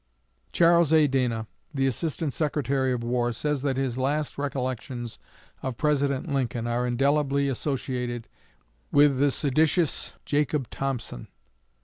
Charles A. Dana, the Assistant Secretary of War, says that his last recollections of President Lincoln are indelibly associated with the seditious Jacob Thompson.